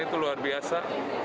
itu luar biasa